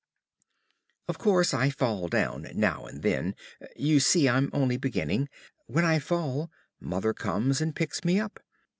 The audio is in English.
Of course I fall down now and then. You see, I'm only beginning. When I fall, Mother comes and picks me up.